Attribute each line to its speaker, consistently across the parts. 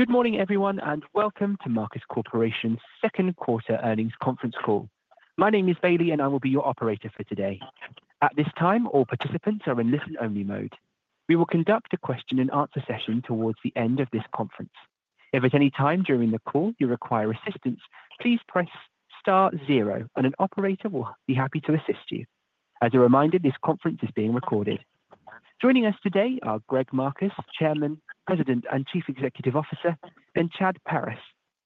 Speaker 1: Good morning, everyone, and welcome to Marcus Corporation's second quarter earnings conference call. My name is Bailey, and I will be your operator for today. At this time, all participants are in listen-only mode. We will conduct a question-and-answer session towards the end of this conference. If at any time during the call you require assistance, please press star zero, and an operator will be happy to assist you. As a reminder, this conference is being recorded. Joining us today are Greg Marcus, Chairman, President, and Chief Executive Officer, and Chad Paris,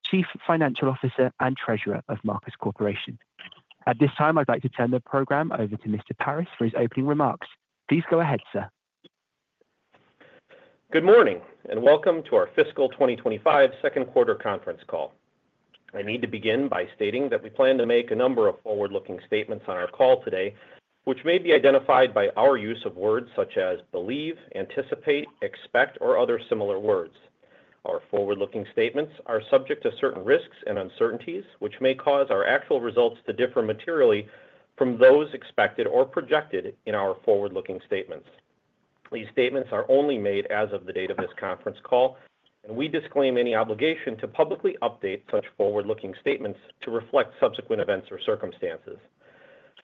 Speaker 1: Chief Financial Officer and Treasurer of Marcus Corporation. At this time, I'd like to turn the program over to Mr. Paris for his opening remarks. Please go ahead, sir.
Speaker 2: Good morning, and welcome to our Fiscal 2025 second quarter conference call. I need to begin by stating that we plan to make a number of forward-looking statements on our call today, which may be identified by our use of words such as believe, anticipate, expect, or other similar words. Our forward-looking statements are subject to certain risks and uncertainties, which may cause our actual results to differ materially from those expected or projected in our forward-looking statements. These statements are only made as of the date of this conference call, and we disclaim any obligation to publicly update such forward-looking statements to reflect subsequent events or circumstances.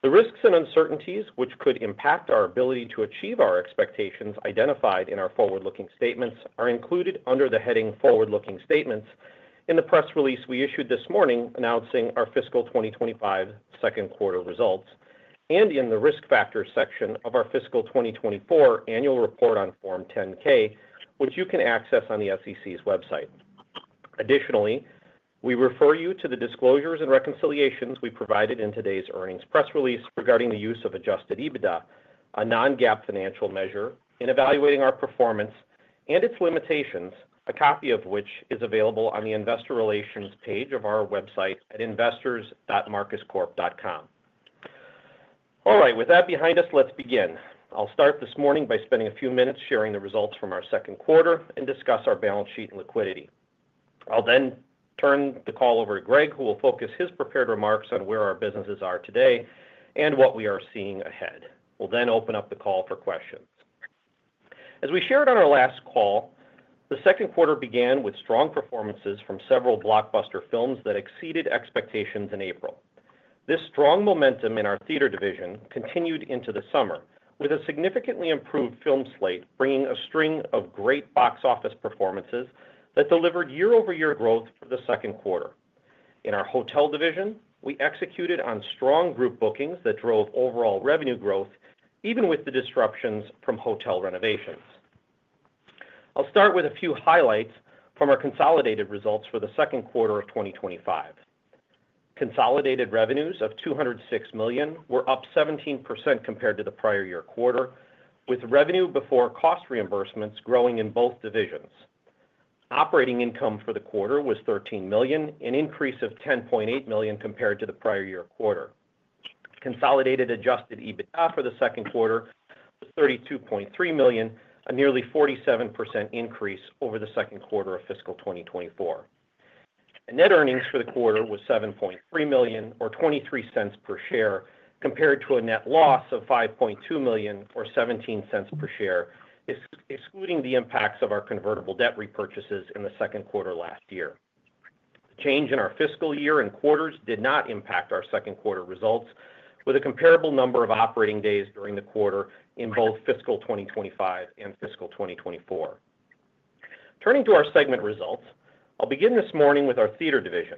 Speaker 2: The risks and uncertainties which could impact our ability to achieve our expectations identified in our forward-looking statements are included under the heading Forward-Looking Statements in the press release we issued this morning announcing our Fiscal 2025 second quarter results, and in the risk factors section of our fiscal 2024 annual report on Form 10-K, which you can access on the SEC's website. Additionally, we refer you to the disclosures and reconciliations we provided in today's earnings press release regarding the use of adjusted EBITDA, a non-GAAP financial measure in evaluating our performance, and its limitations, a copy of which is available on the investor relations page of our website at investors.marcuscorp.com. All right, with that behind us, let's begin. I'll start this morning by spending a few minutes sharing the results from our second quarter and discuss our balance sheet and liquidity. I'll then turn the call over to Greg, who will focus his prepared remarks on where our businesses are today and what we are seeing ahead. We'll then open up the call for questions. As we shared on our last call, the second quarter began with strong performances from several blockbuster films that exceeded expectations in April. This strong momentum in our theater division continued into the summer, with a significantly improved film slate bringing a string of great box office performances that delivered year-over-year growth for the second quarter. In our hotel division, we executed on strong group bookings that drove overall revenue growth, even with the disruptions from hotel renovations. I'll start with a few highlights from our consolidated results for the second quarter of 2025. Consolidated revenues of $206 million were up 17% compared to the prior year quarter, with revenue before cost reimbursements growing in both divisions. Operating income for the quarter was $13 million, an increase of $10.8 million compared to the prior year quarter. Consolidated adjusted EBITDA for the second quarter was $32.3 million, a nearly 47% increase over the second quarter of fiscal 2024. Net earnings for the quarter were $7.3 million or $0.23 per share, compared to a net loss of $5.2 million or $0.17 per share, excluding the impacts of our convertible debt repurchases in the second quarter last year. The change in our fiscal year and quarters did not impact our second quarter results, with a comparable number of operating days during the quarter in both Fiscal 2025 and fiscal 2024. Turning to our segment results, I'll begin this morning with our theater division.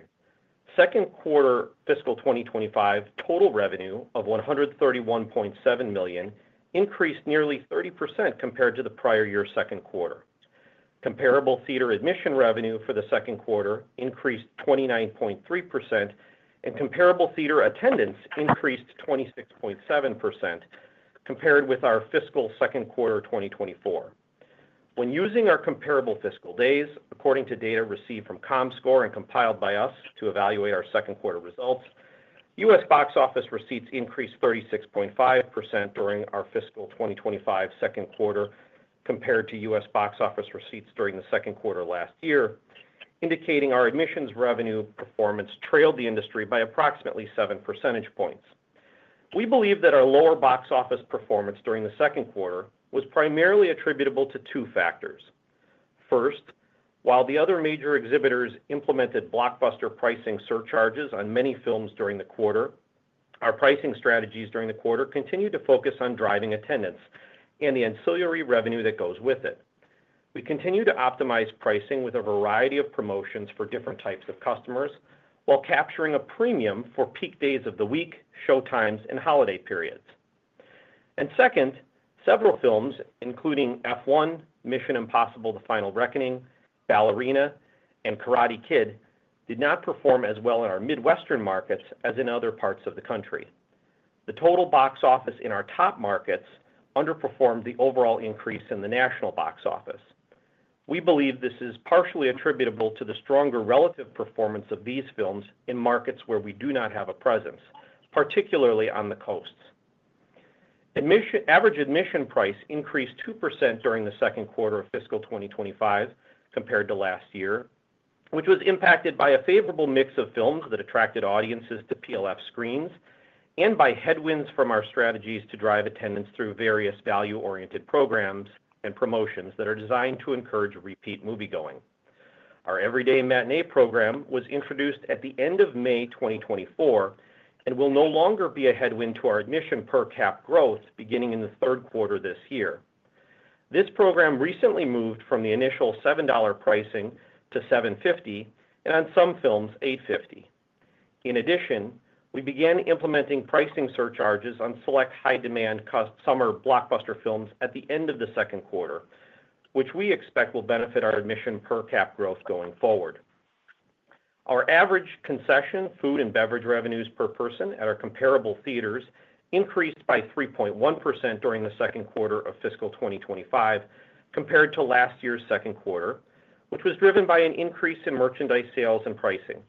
Speaker 2: Second quarter Fiscal 2025 total revenue of $131.7 million increased nearly 30% compared to the prior year's second quarter. Comparable theater admission revenue for the second quarter increased 29.3%, and comparable theater attendance increased 26.7% compared with our fiscal second quarter 2024. When using our comparable fiscal days, according to data received from Comscore and compiled by us to evaluate our second quarter results, U.S. box office receipts increased 36.5% during our Fiscal 2025 second quarter compared to U.S. box office receipts during the second quarter last year, indicating our admissions revenue performance trailed the industry by approximately seven percentage points. We believe that our lower box office performance during the second quarter was primarily attributable to two factors. First, while the other major exhibitors implemented blockbuster pricing surcharges on many films during the quarter, our pricing strategies during the quarter continue to focus on driving attendance and the ancillary revenue that goes with it. We continue to optimize pricing with a variety of promotions for different types of customers while capturing a premium for peak days of the week, showtimes, and holiday periods. Second, several films, including F1, Mission: Impossible - The Final Reckoning, Ballerina, and Karate Kid, did not perform as well in our Midwestern markets as in other parts of the country. The total box office in our top markets underperformed the overall increase in the national box office. We believe this is partially attributable to the stronger relative performance of these films in markets where we do not have a presence, particularly on the coasts. Average admission price increased 2% during the second quarter of Fiscal 2025 compared to last year, which was impacted by a favorable mix of films that attracted audiences to PLF screens and by headwinds from our strategies to drive attendance through various value-oriented programs and promotions that are designed to encourage repeat moviegoing. Our Everyday Matinee program was introduced at the end of May 2024 and will no longer be a headwind to our admission per cap growth beginning in the third quarter this year. This program recently moved from the initial $7 pricing to $7.50 and on some films, $8.50. In addition, we began implementing pricing surcharges on select high-demand summer blockbuster films at the end of the second quarter, which we expect will benefit our admission per cap growth going forward. Our average concession, food, and beverage revenues per person at our comparable theaters increased by 3.1% during the second quarter of Fiscal 2025 compared to last year's second quarter, which was driven by an increase in merchandise sales and pricing.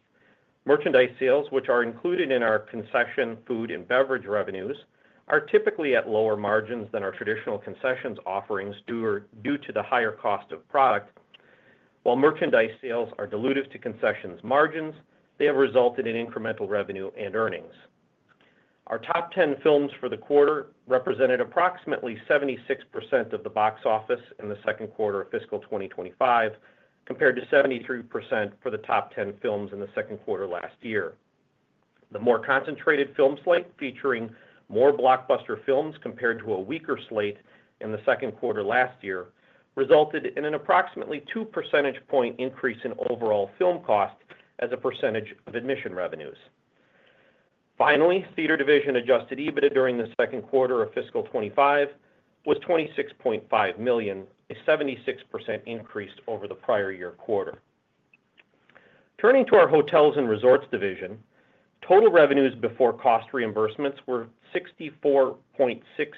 Speaker 2: Merchandise sales, which are included in our concession, food, and beverage revenues, are typically at lower margins than our traditional concessions offerings due to the higher cost of product. While merchandise sales are diluted to concessions margins, they have resulted in incremental revenue and earnings. Our top 10 films for the quarter represented approximately 76% of the box office in the second quarter of Fiscal 2025 compared to 73% for the top 10 films in the second quarter last year. The more concentrated film slate, featuring more blockbuster films compared to a weaker slate in the second quarter last year, resulted in an approximately two percentage point increase in overall film cost as a percentage of admission revenues. Finally, theater division adjusted EBITDA during the second quarter of Fiscal 2025 was $26.5 million, a 76% increase over the prior year quarter. Turning to our hotels and resorts division, total revenues before cost reimbursements were $64.6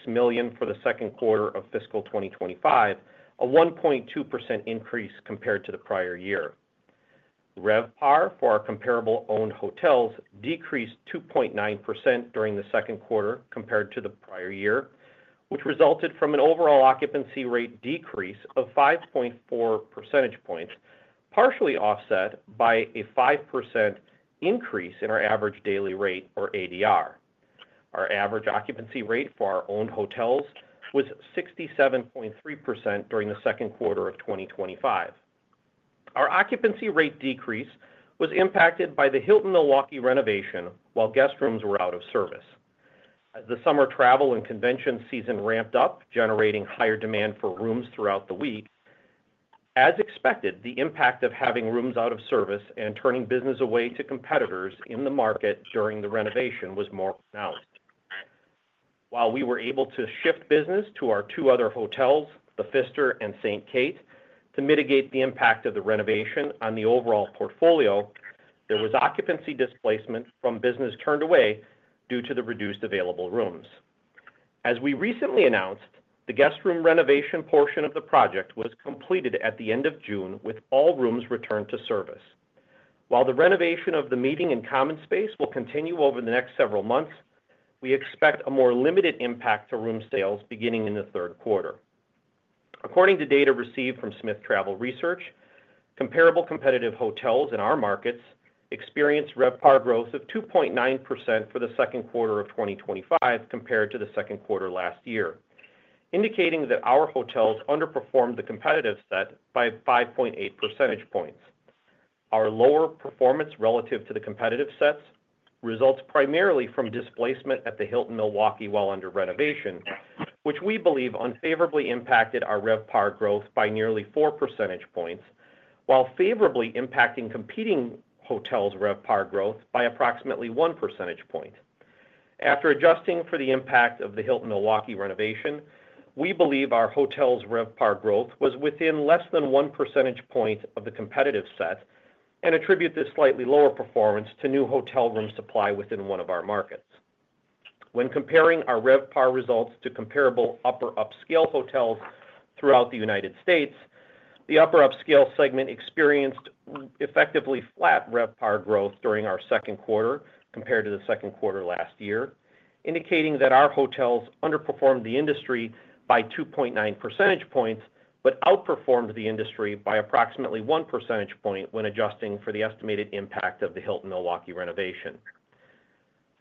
Speaker 2: million for the second quarter of Fiscal 2025, a 1.2% increase compared to the prior year. RevPAR for our comparable owned hotels decreased 2.9% during the second quarter compared to the prior year, which resulted from an overall occupancy rate decrease of 5.4 percentage points, partially offset by a 5% increase in our average daily rate or ADR. Our average occupancy rate for our owned hotels was 67.3% during the second quarter of 2025. Our occupancy rate decrease was impacted by the Hilton Milwaukee renovation while guest rooms were out of service. As the summer travel and convention season ramped up, generating higher demand for rooms throughout the week, as expected, the impact of having rooms out of service and turning business away to competitors in the market during the renovation was more pronounced. While we were able to shift business to our two other hotels, the Pfister and Saint Kate, to mitigate the impact of the renovation on the overall portfolio, there was occupancy displacement from business turned away due to the reduced available rooms. As we recently announced, the guest room renovation portion of the project was completed at the end of June, with all rooms returned to service. While the renovation of the meeting and common space will continue over the next several months, we expect a more limited impact to room sales beginning in the third quarter. According to data received from Smith Travel Research, comparable competitive hotels in our markets experienced RevPAR growth of 2.9% for the second quarter of 2025 compared to the second quarter last year, indicating that our hotels underperformed the competitive set by 5.8 percentage points. Our lower performance relative to the competitive sets results primarily from displacement at the Hilton Milwaukee while under renovation, which we believe unfavorably impacted our RevPAR growth by nearly 4 percentage points, while favorably impacting competing hotels' RevPAR growth by approximately 1 percentage point. After adjusting for the impact of the Hilton Milwaukee renovation, we believe our hotels' RevPAR growth was within less than 1 percentage point of the competitive set and attribute this slightly lower performance to new hotel room supply within one of our markets. When comparing our RevPAR results to comparable upper upscale hotels throughout the United States, the upper upscale segment experienced effectively flat RevPAR growth during our second quarter compared to the second quarter last year, indicating that our hotels underperformed the industry by 2.9 percentage points, but outperformed the industry by approximately 1 percentage point when adjusting for the estimated impact of the Hilton Milwaukee renovation.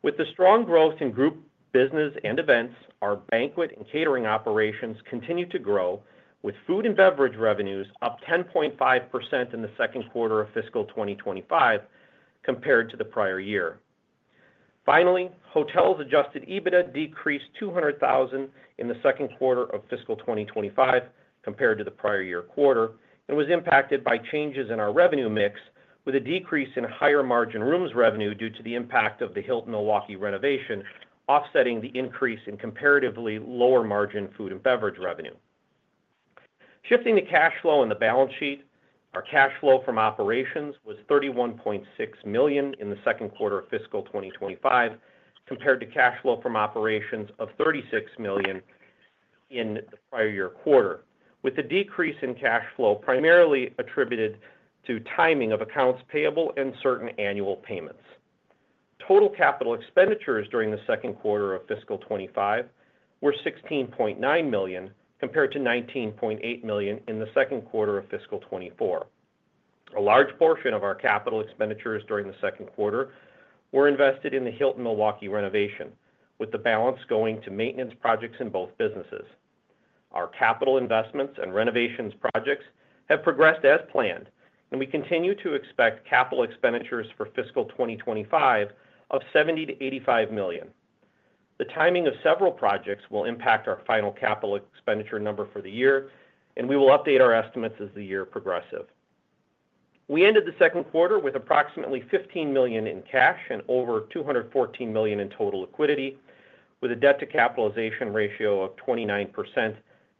Speaker 2: With the strong growth in group business and events, our banquet and catering operations continued to grow, with food and beverage revenues up 10.5% in the second quarter of Fiscal 2025 compared to the prior year. Finally, hotels' adjusted EBITDA decreased $200,000 in the second quarter of Fiscal 2025 compared to the prior year quarter and was impacted by changes in our revenue mix with a decrease in higher margin rooms revenue due to the impact of the Hilton Milwaukee renovation, offsetting the increase in comparatively lower margin food and beverage revenue. Shifting to cash flow on the balance sheet, our cash flow from operations was $31.6 million in the second quarter of Fiscal 2025 compared to cash flow from operations of $36 million in the prior year quarter, with a decrease in cash flow primarily attributed to timing of accounts payable and certain annual payments. Total capital expenditures during the second quarter of Fiscal 2025 were $16.9 million compared to $19.8 million in the second quarter of fiscal 2024. A large portion of our capital expenditures during the second quarter was invested in the Hilton Milwaukee renovation, with the balance going to maintenance projects in both businesses. Our capital investments and renovations projects have progressed as planned, and we continue to expect capital expenditures for Fiscal 2025 of $70 million to $85 million. The timing of several projects will impact our final capital expenditure number for the year, and we will update our estimates as the year progresses. We ended the second quarter with approximately $15 million in cash and over $214 million in total liquidity, with a debt-to-capitalization ratio of 29% and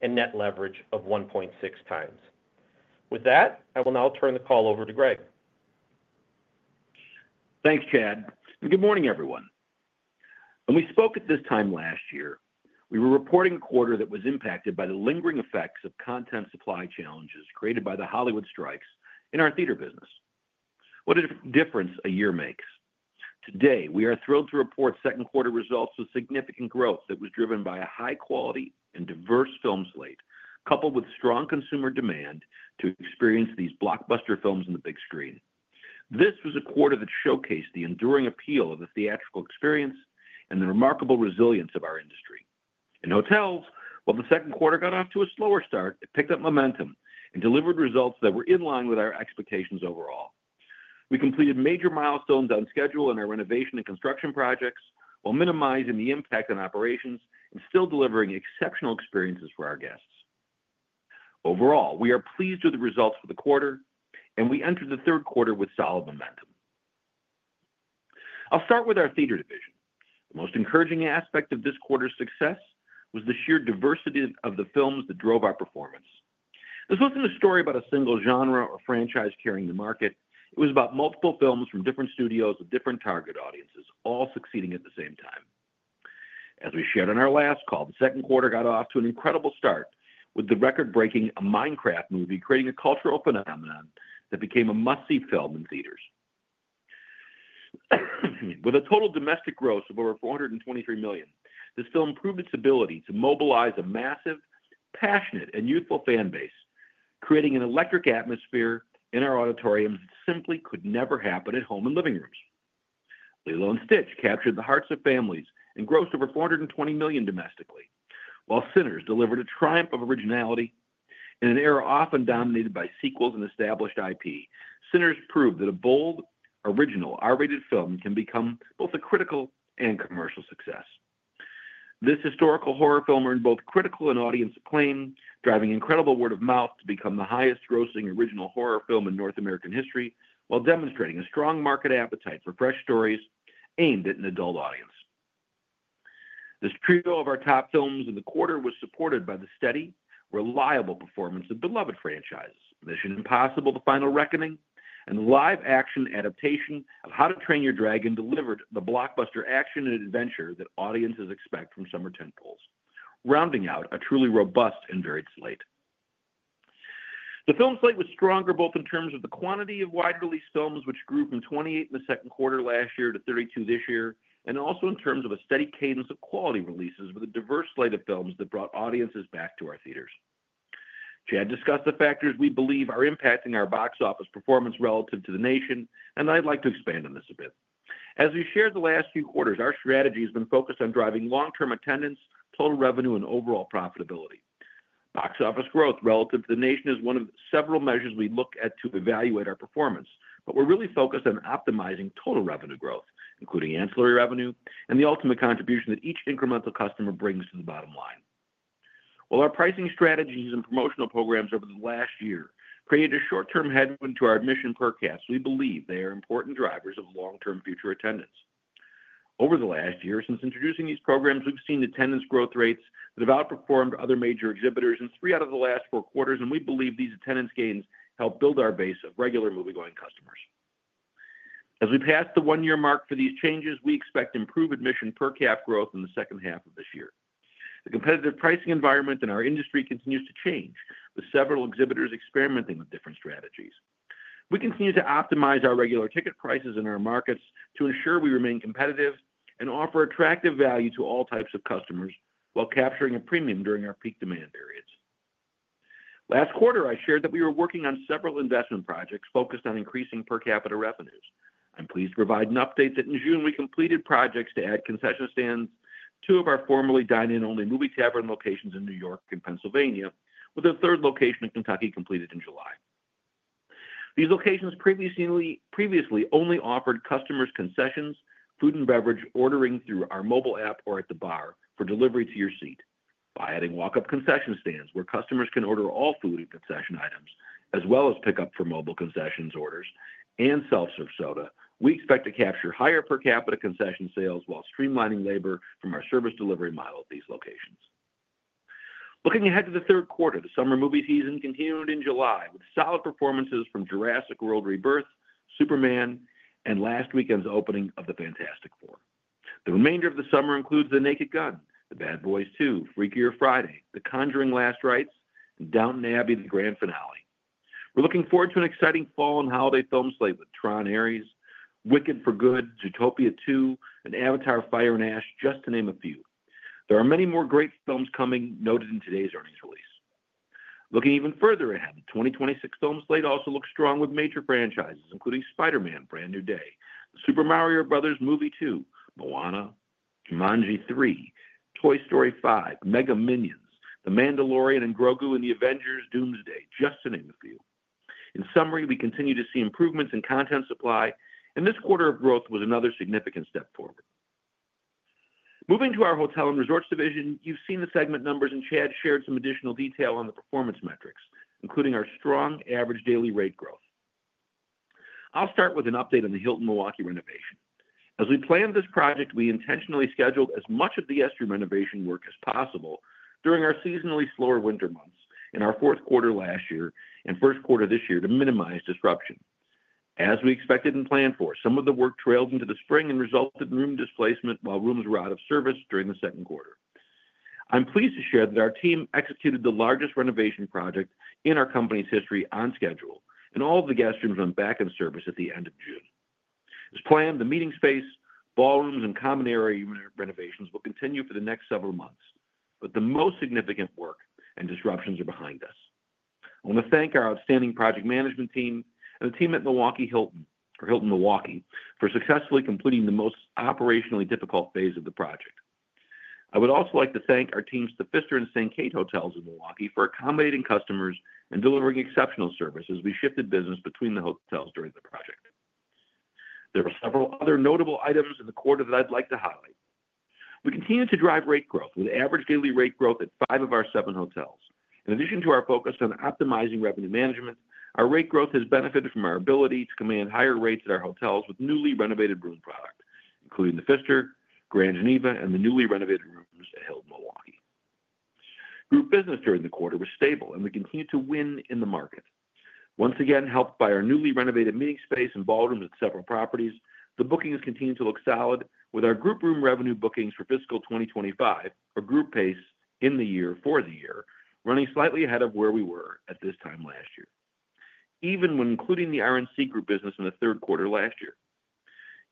Speaker 2: net leverage of 1.6 times. With that, I will now turn the call over to Greg.
Speaker 3: Thanks, Chad, and good morning, everyone. When we spoke at this time last year, we were reporting a quarter that was impacted by the lingering effects of content supply challenges created by the Hollywood strikes in our theater business. What a difference a year makes. Today, we are thrilled to report second quarter results with significant growth that was driven by a high-quality and diverse film slate, coupled with strong consumer demand to experience these blockbuster films on the big screen. This was a quarter that showcased the enduring appeal of the theatrical experience and the remarkable resilience of our industry. In hotels, while the second quarter got off to a slower start, it picked up momentum and delivered results that were in line with our expectations overall. We completed major milestones on schedule in our renovation and construction projects while minimizing the impact on operations and still delivering exceptional experiences for our guests. Overall, we are pleased with the results for the quarter, and we entered the third quarter with solid momentum. I'll start with our theater division. The most encouraging aspect of this quarter's success was the sheer diversity of the films that drove our performance. This wasn't a story about a single genre or franchise carrying the market. It was about multiple films from different studios with different target audiences, all succeeding at the same time. As we shared on our last call, the second quarter got off to an incredible start with the record-breaking Minecraft movie creating a cultural phenomenon that became a must-see film in theaters. With a total domestic gross of over $423 million, this film proved its ability to mobilize a massive, passionate, and youthful fan base, creating an electric atmosphere in our auditoriums that simply could never happen at home in living rooms. Lilo and Stitch captured the hearts of families and grossed over $420 million domestically, while Sinners delivered a triumph of originality. In an era often dominated by sequels and established IP, Sinners proved that a bold, original R-rated film can become both a critical and commercial success. This historical horror film earned both critical and audience acclaim, driving incredible word of mouth to become the highest-grossing original horror film in North American history, while demonstrating a strong market appetite for fresh stories aimed at an adult audience. This trio of our top films in the quarter was supported by the steady, reliable performance of beloved franchises, Mission: Impossible - The Final Reckoning, and the live-action adaptation of How to Train Your Dragon delivered the blockbuster action and adventure that audiences expect from summer tentpoles, rounding out a truly robust and varied slate. The film slate was stronger both in terms of the quantity of wide-release films, which grew from 28 in the second quarter last year to 32 this year, and also in terms of a steady cadence of quality releases with a diverse slate of films that brought audiences back to our theaters. Chad discussed the factors we believe are impacting our box office performance relative to the nation, and I'd like to expand on this a bit. As we shared the last few quarters, our strategy has been focused on driving long-term attendance, total revenue, and overall profitability. Box office growth relative to the nation is one of several measures we look at to evaluate our performance, but we're really focused on optimizing total revenue growth, including ancillary revenue, and the ultimate contribution that each incremental customer brings to the bottom line. While our pricing strategies and promotional programs over the last year created a short-term headwind to our admission per cap, we believe they are important drivers of long-term future attendance. Over the last year since introducing these programs, we've seen attendance growth rates that have outperformed other major exhibitors in three out of the last four quarters, and we believe these attendance gains help build our base of regular moviegoing customers. As we pass the one-year mark for these changes, we expect improved admission per cap growth in the second half of this year. The competitive pricing environment in our industry continues to change, with several exhibitors experimenting with different strategies. We continue to optimize our regular ticket prices in our markets to ensure we remain competitive and offer attractive value to all types of customers while capturing a premium during our peak demand periods. Last quarter, I shared that we were working on several investment projects focused on increasing per capita revenues. I'm pleased to provide an update that in June, we completed projects to add concession stands to two of our formerly dine-in-only Movie Tavern locations in New York and Pennsylvania, with a third location in Kentucky completed in July. These locations previously only offered customers concessions, food, and beverage ordering through our mobile app or at the bar for delivery to your seat. By adding walk-up concession stands where customers can order all food and concession items, as well as pick up for mobile concessions orders and self-serve soda, we expect to capture higher per capita concession sales while streamlining labor from our service delivery model at these locations. Looking ahead to the third quarter, the summer movie season continued in July with solid performances from Jurassic World Rebirth, Superman, and last weekend's opening of The Fantastic Four. The remainder of the summer includes The Naked Gun, Bad Boys 2, Freakier Friday, The Conjuring: Last Rites, and Downton Abbey: The Grand Finale. We're looking forward to an exciting fall and holiday film slate with Tron: Ares, Wicked for Good, Zootopia 2, and Avatar: Fire and Ash, just to name a few. There are many more great films coming noted in today's earnings release. Looking even further ahead, the 2026 film slate also looks strong with major franchises including Spider-Man: Brand New Day, Super Mario Bros. Movie 2, Moana, Jumanji 3, Toy Story 5, Mega Minions, The Mandalorian and Grogu, and The Avengers: Doomsday, just to name a few. In summary, we continue to see improvements in content supply, and this quarter of growth was another significant step forward. Moving to our hotel and resorts division, you've seen the segment numbers and Chad shared some additional detail on the performance metrics, including our strong average daily rate growth. I'll start with an update on the Hilton Milwaukee renovation. As we planned this project, we intentionally scheduled as much of the estuary renovation work as possible during our seasonally slower winter months in our fourth quarter last year and first quarter this year to minimize disruption. As we expected and planned for, some of the work trailed into the spring and resulted in room displacement while rooms were out of service during the second quarter. I'm pleased to share that our team executed the largest renovation project in our company's history on schedule, and all of the guest rooms went back in service at the end of June. As planned, the meeting space, ballrooms, and common area renovations will continue for the next several months, but the most significant work and disruptions are behind us. I want to thank our outstanding project management team and the team at Hilton Milwaukee for successfully completing the most operationally difficult phase of the project. I would also like to thank our teams at The Pfister and Saint Kate hotels in Milwaukee for accommodating customers and delivering exceptional services as we shifted business between the hotels during the project. There were several other notable items in the quarter that I'd like to highlight. We continue to drive rate growth, with average daily rate growth at five of our seven hotels. In addition to our focus on optimizing revenue management, our rate growth has benefited from our ability to command higher rates at our hotels with newly renovated room product, including The Pfister, Grand Geneva, and the newly renovated rooms at Hilton Milwaukee. Group business during the quarter was stable, and we continue to win in the market. Once again, helped by our newly renovated meeting space and ballrooms at several properties, the bookings continue to look solid, with our group room revenue bookings for Fiscal 2025 or group pace in the year for the year running slightly ahead of where we were at this time last year, even when including the RNC group business in the third quarter last year.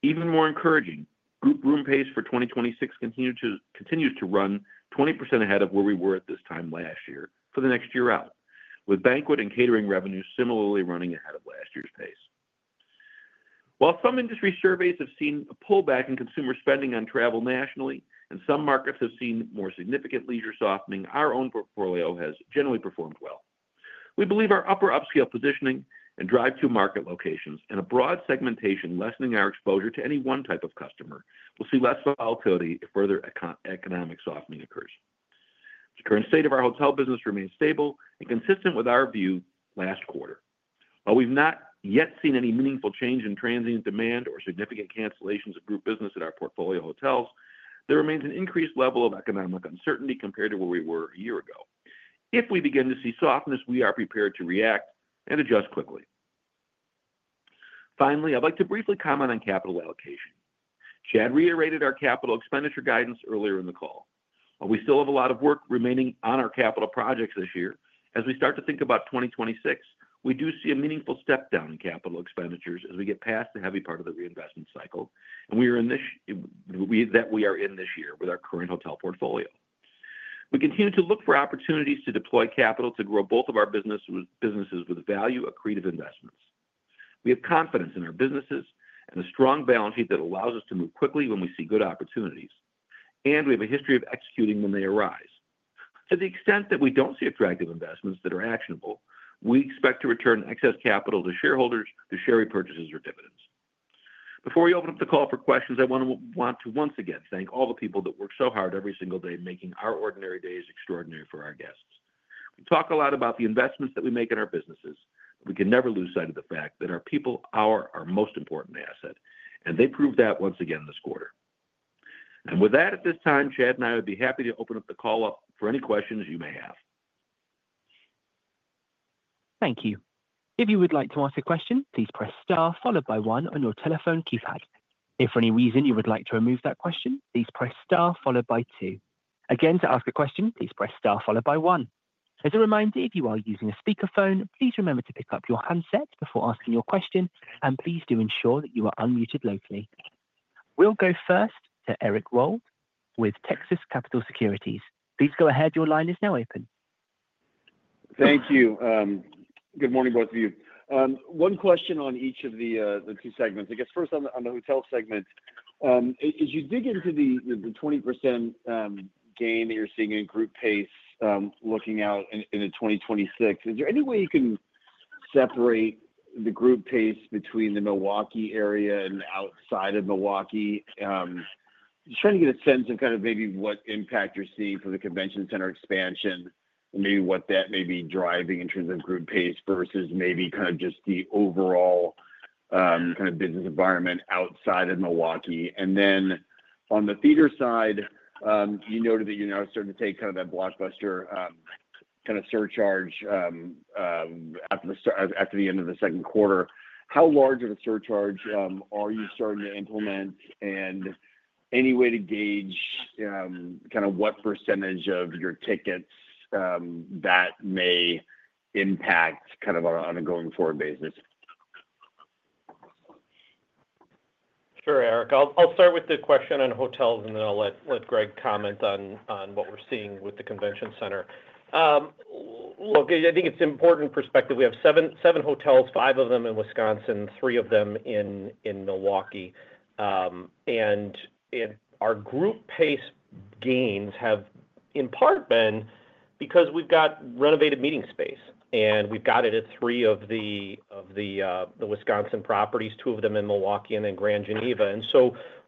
Speaker 3: Even more encouraging, group room pace for 2026 continues to run 20% ahead of where we were at this time last year for the next year out, with banquet and catering revenues similarly running ahead of last year's pace. While some industry surveys have seen a pullback in consumer spending on travel nationally and some markets have seen more significant leisure softening, our own portfolio has generally performed well. We believe our upper upscale positioning and drive-to-market locations and a broad segmentation lessening our exposure to any one type of customer will see less volatility if further economic softening occurs. The current state of our hotel business remains stable and consistent with our view last quarter. While we've not yet seen any meaningful change in transient demand or significant cancellations of group business at our portfolio hotels, there remains an increased level of economic uncertainty compared to where we were a year ago. If we begin to see softness, we are prepared to react and adjust quickly. Finally, I'd like to briefly comment on capital allocation. Chad reiterated our capital expenditure guidance earlier in the call. While we still have a lot of work remaining on our capital projects this year, as we start to think about 2026, we do see a meaningful step down in capital expenditures as we get past the heavy part of the reinvestment cycle that we are in this year with our current hotel portfolio. We continue to look for opportunities to deploy capital to grow both of our businesses with value-accretive investments. We have confidence in our businesses and a strong balance sheet that allows us to move quickly when we see good opportunities, and we have a history of executing when they arise. To the extent that we don't see attractive investments that are actionable, we expect to return excess capital to shareholders through share repurchases or dividends. Before we open up the call for questions, I want to once again thank all the people that work so hard every single day in making our ordinary days extraordinary for our guests. We talk a lot about the investments that we make in our businesses, but we can never lose sight of the fact that our people are our most important asset, and they proved that once again this quarter. With that, at this time, Chad and I would be happy to open up the call for any questions you may have.
Speaker 1: Thank you. If you would like to ask a question, please press star followed by one on your telephone keypad. If for any reason you would like to remove that question, please press star followed by two. Again, to ask a question, please press star followed by one. As a reminder, if you are using a speakerphone, please remember to pick up your handset before asking your question, and please do ensure that you are unmuted locally. We'll go first to Eric Wold with Texas Capital Securities. Please go ahead, your line is now open.
Speaker 4: Thank you. Good morning, both of you. One question on each of the two segments. I guess first on the hotel segment, as you dig into the 20% gain that you're seeing in group pace looking out into 2026, is there any way you can separate the group pace between the Milwaukee area and outside of Milwaukee? Just trying to get a sense of kind of maybe what impact you're seeing from the convention center expansion and maybe what that may be driving in terms of group pace versus maybe kind of just the overall kind of business environment outside of Milwaukee. On the theater side, you noted that you're now starting to take kind of that blockbuster kind of surcharge after the end of the second quarter. How large of a surcharge are you starting to implement and any way to gauge kind of what percentage of your tickets that may impact kind of on an ongoing forward basis?
Speaker 2: Sure, Eric. I'll start with the question on hotels, and then I'll let Greg comment on what we're seeing with the convention center. I think it's an important perspective. We have seven hotels, five of them in Wisconsin, three of them in Milwaukee. Our group pace gains have in part been because we've got renovated meeting space, and we've got it at three of the Wisconsin properties, two of them in Milwaukee, and then Grand Geneva.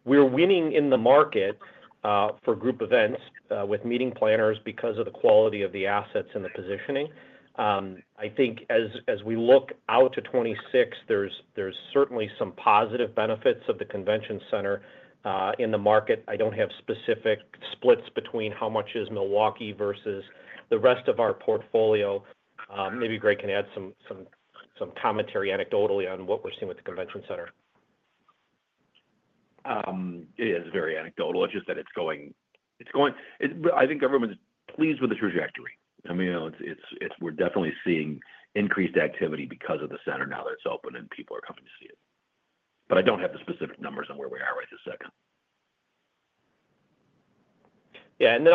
Speaker 2: We're winning in the market for group events with meeting planners because of the quality of the assets and the positioning. I think as we look out to 2026, there's certainly some positive benefits of the convention center in the market. I don't have specific splits between how much is Milwaukee versus the rest of our portfolio. Maybe Greg can add some commentary anecdotally on what we're seeing with the convention center.
Speaker 3: It is very anecdotal. It's just that it's going, I think everyone's pleased with the trajectory. I mean, we're definitely seeing increased activity because of the center now that it's open and people are coming to see it. I don't have the specific numbers on where we are right this second.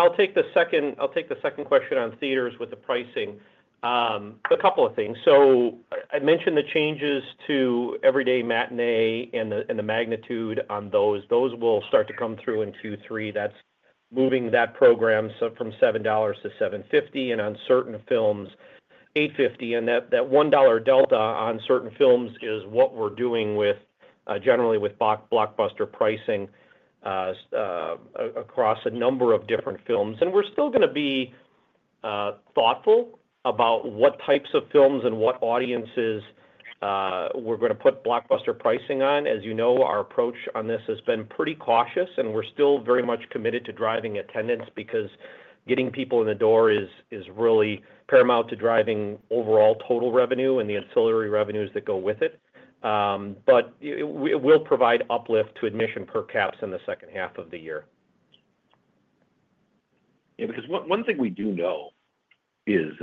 Speaker 2: I'll take the second question on theaters with the pricing. A couple of things. I mentioned the changes to the Everyday Matinee and the magnitude on those. Those will start to come through in Q3. That's moving that program from $7 to $7.50 and on certain films, $8.50. That $1 delta on certain films is what we're doing generally with blockbuster pricing across a number of different films. We're still going to be thoughtful about what types of films and what audiences we're going to put blockbuster pricing on. As you know, our approach on this has been pretty cautious, and we're still very much committed to driving attendance because getting people in the door is really paramount to driving overall total revenue and the ancillary revenues that go with it. It will provide uplift to admission per capita revenues in the second half of the year.
Speaker 3: Yeah, because one thing we do know is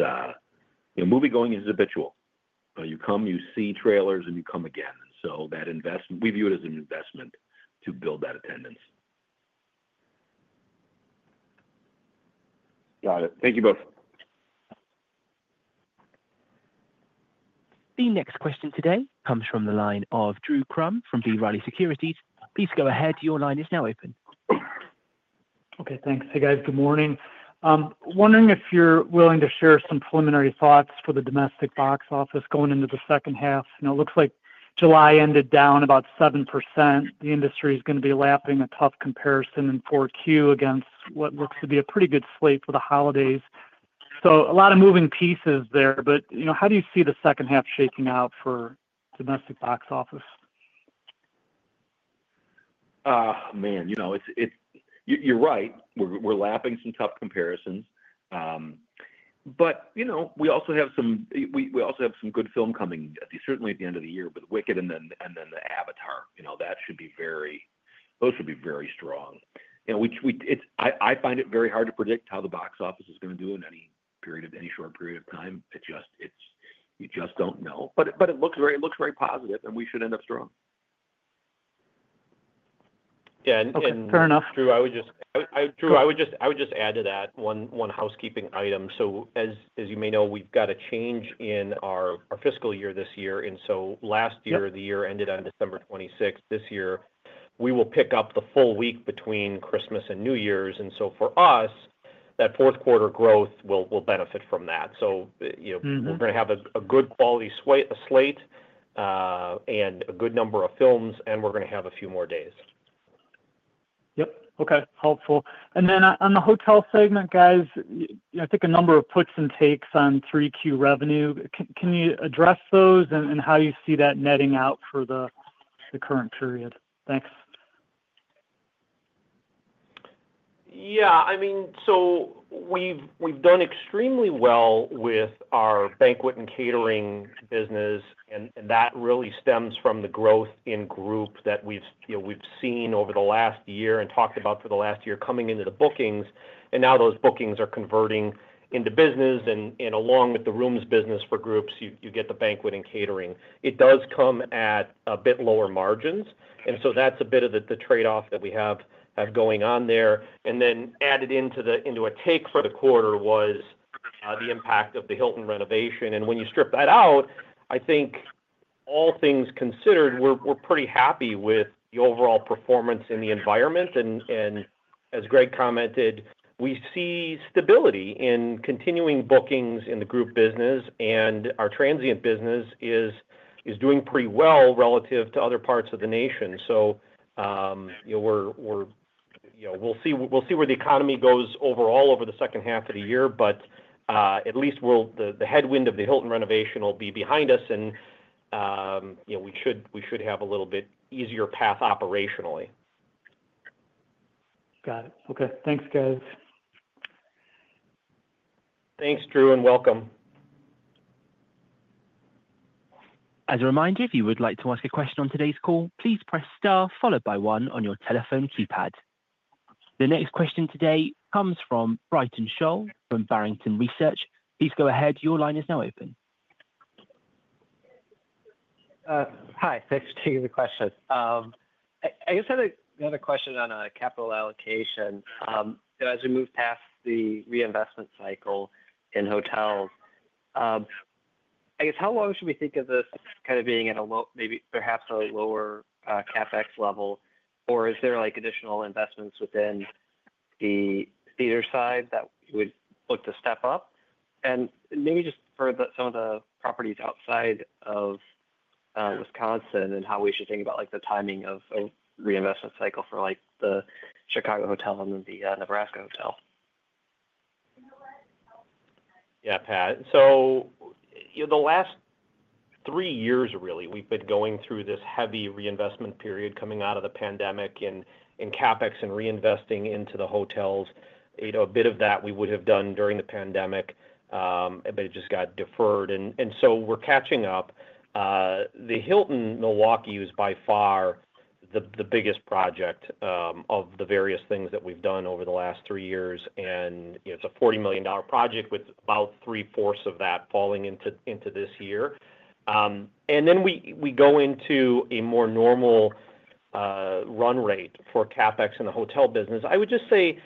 Speaker 3: moviegoing is habitual. You come, you see trailers, and you come again. That investment, we view it as an investment to build that attendance.
Speaker 4: Got it. Thank you both.
Speaker 1: The next question today comes from the line of Drew Crum from B. Riley Securities. Please go ahead, your line is now open.
Speaker 5: Okay, thanks. Hey guys, good morning. I'm wondering if you're willing to share some preliminary thoughts for the domestic box office going into the second half. It looks like July ended down about 7%. The industry is going to be lapping a tough comparison in 4Q against what looks to be a pretty good slate for the holidays. There are a lot of moving pieces there, but you know, how do you see the second half shaking out for domestic box office?
Speaker 3: You're right. We're lapping some tough comparisons. We also have some good film coming certainly at the end of the year, with Wicked and then Avatar. Those should be very strong. I find it very hard to predict how the box office is going to do in any period of any short period of time. You just don't know. It looks very positive, and we should end up strong.
Speaker 2: Yeah.
Speaker 5: Fair enough.
Speaker 2: Drew. I would just add to that one housekeeping item. As you may know, we've got a change in our fiscal year this year. Last year, the year ended on December 26. This year, we will pick up the full week between Christmas and New Year's. For us, that fourth quarter growth will benefit from that. We're going to have a good quality slate and a good number of films, and we're going to have a few more days.
Speaker 5: Okay, helpful. On the hotel segment, guys, I think a number of puts and takes on 3Q revenue. Can you address those and how you see that netting out for the current period? Thanks.
Speaker 2: Yeah, I mean, we've done extremely well with our banquet and catering business, and that really stems from the growth in group that we've seen over the last year and talked about for the last year coming into the bookings. Now those bookings are converting into business, and along with the rooms business for groups, you get the banquet and catering. It does come at a bit lower margins, and that's a bit of the trade-off that we have going on there. Added into a take for the quarter was the impact of the Hilton Milwaukee renovation. When you strip that out, I think all things considered, we're pretty happy with the overall performance in the environment. As Greg commented, we see stability in continuing bookings in the group business, and our transient business is doing pretty well relative to other parts of the nation. We'll see where the economy goes overall over the second half of the year, but at least the headwind of the Hilton Milwaukee renovation will be behind us, and we should have a little bit easier path operationally.
Speaker 5: Got it. Okay, thanks guys.
Speaker 2: Thanks, Drew, and welcome.
Speaker 1: As a reminder, if you would like to ask a question on today's call, please press star followed by one on your telephone keypad. The next question today comes from Patrick Sholl from Barrington Research. Please go ahead, your line is now open.
Speaker 6: Hi, thanks for taking the question. I just had another question on capital allocation. As we move past the reinvestment cycle in hotels, I guess how long should we think of this kind of being at a low, maybe perhaps a lower CapEx level, or is there like additional investments within the theater side that would look to step up? Maybe just for some of the properties outside of Wisconsin and how we should think about the timing of a reinvestment cycle for the Chicago Hotel and then the Nebraska Hotel.
Speaker 2: Yeah, Pat, you know, the last three years really, we've been going through this heavy reinvestment period coming out of the pandemic in CapEx and reinvesting into the hotels. A bit of that we would have done during the pandemic, but it just got deferred. We're catching up. The Hilton Milwaukee is by far the biggest project of the various things that we've done over the last three years, and it's a $40 million project with about three-fourths of that falling into this year. We go into a more normal run rate for CapEx in the hotel business. I would just say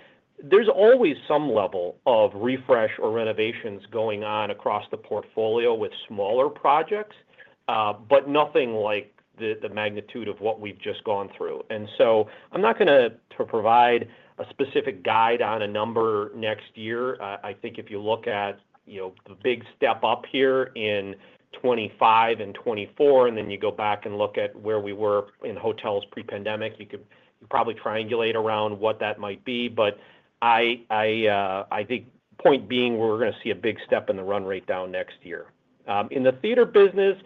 Speaker 2: there's always some level of refresh or renovations going on across the portfolio with smaller projects, but nothing like the magnitude of what we've just gone through. I'm not going to provide a specific guide on a number next year. I think if you look at the big step up here in 2025 and 2024, and then you go back and look at where we were in hotels pre-pandemic, you could probably triangulate around what that might be. I think the point being we're going to see a big step in the run rate down next year. In the theater business,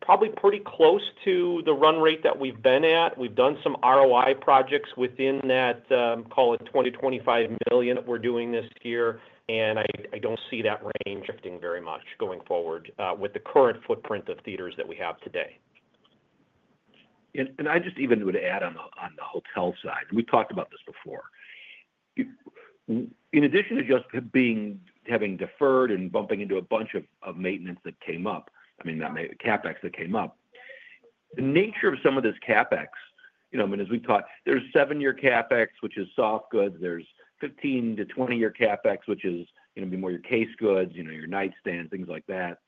Speaker 2: probably pretty close to the run rate that we've been at. We've done some ROI projects within that, call it $20 million to $25 million we're doing this year, and I don't see that range shifting very much going forward with the current footprint of theaters that we have today.
Speaker 3: I would add on the hotel side, we talked about this before, in addition to just having deferred and bumping into a bunch of maintenance that came up, that may be CapEx that came up. The nature of some of this CapEx, as we've taught, there's seven-year CapEx, which is soft goods. There's 15 to 20-year CapEx, which is more your case goods, your nightstands, things like that.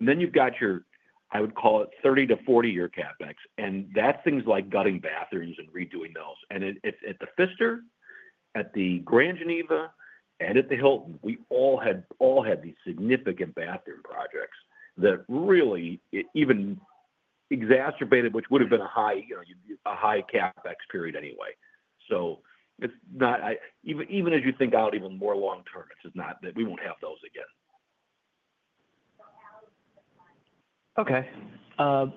Speaker 3: Then you've got your, I would call it 30 to 40-year CapEx, and that's things like gutting bathrooms and redoing those. At The Pfister, at the Grand Geneva, and at the Hilton, we all had these significant bathroom projects that really even exacerbated what would have been a high CapEx period anyway. Even as you think out more long-term, it's just not that we won't have those again.
Speaker 6: Okay.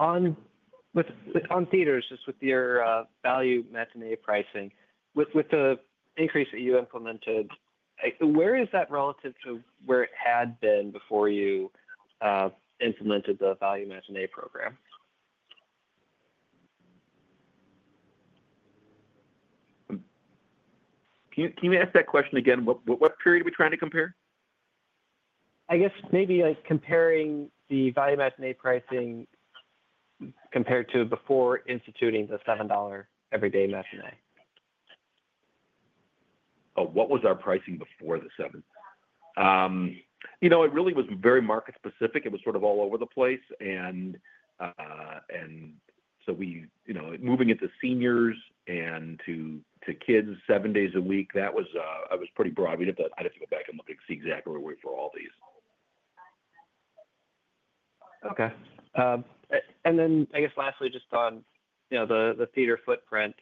Speaker 6: On theaters, just with your value matinee pricing, with the increase that you implemented, where is that relative to where it had been before you implemented the Everyday Matinee program?
Speaker 2: Can you ask that question again? What period are we trying to compare?
Speaker 6: I guess maybe like comparing the value matinee pricing compared to before instituting the $7 Everyday Matinee.
Speaker 3: What was our pricing before the seven? It really was very market-specific. It was sort of all over the place. Moving it to seniors and to kids seven days a week, that was pretty broad. I'd have to go back and look and see exactly where we were for all these.
Speaker 6: Okay. Lastly, just on the theater footprint,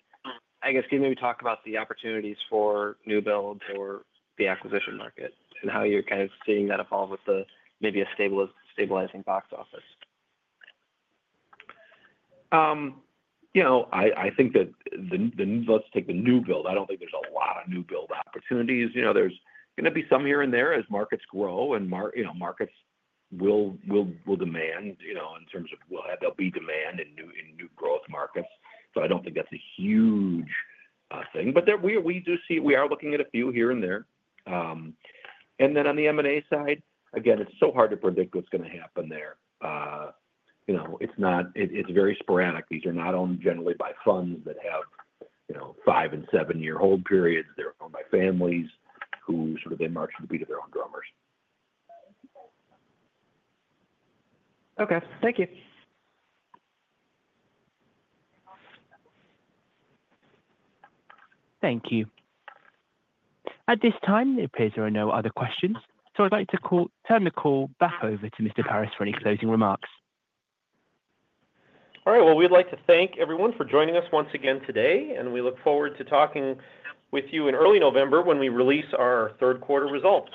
Speaker 6: can you maybe talk about the opportunities for new builds or the acquisition market and how you're kind of seeing that evolve with maybe a stabilizing box office?
Speaker 3: I think that the, let's take the new build. I don't think there's a lot of new build opportunities. There's going to be some here and there as markets grow, and markets will demand, in terms of, there'll be demand in new growth markets. I don't think that's a huge thing. We are looking at a few here and there. On the M&A side, again, it's so hard to predict what's going to happen there. It's very sporadic. These are not owned generally by funds that have five and seven-year hold periods. They're owned by families who sort of, they march to the beat of their own drummers.
Speaker 6: Okay. Thank you.
Speaker 1: Thank you. At this time, it appears there are no other questions. I would like to turn the call back over to Mr. Paris for any closing remarks.
Speaker 2: All right. We'd like to thank everyone for joining us once again today, and we look forward to talking with you in early November when we release our third quarter results.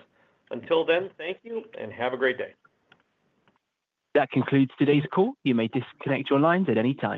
Speaker 2: Until then, thank you and have a great day.
Speaker 1: That concludes today's call. You may disconnect your lines at any time.